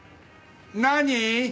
何？